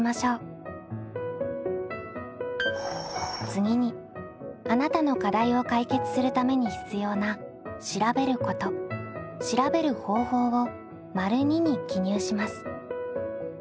次にあなたの課題を解決するために必要な「調べること」「調べる方法」を②に記入します。